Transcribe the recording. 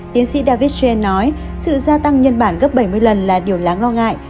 tiến sĩ david chen nói sự gia tăng nhân bản gấp bảy mươi lần là điều láng lo ngại